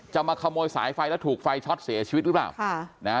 จะมาขโมยสายไฟแล้วถูกไฟช็อตเสียชีวิตหรือเปล่า